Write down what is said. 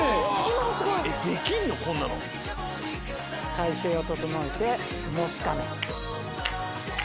体勢を整えてもしかめ。